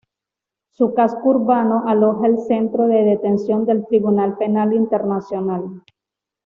Su casco urbano aloja el centro de detención del Tribunal Penal Internacional.